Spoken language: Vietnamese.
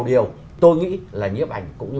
điều tôi nghĩ là nhiếp ảnh cũng như